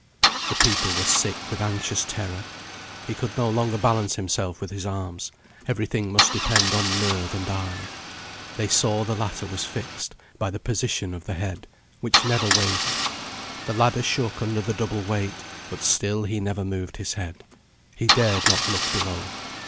The people were sick with anxious terror. He could no longer balance himself with his arms; every thing must depend on nerve and eye. They saw the latter was fixed, by the position of the head, which never wavered; the ladder shook under the double weight; but still he never moved his head he dared not look below.